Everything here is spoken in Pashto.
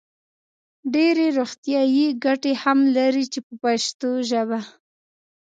ډېرې روغتیايي ګټې هم لري په پښتو ژبه.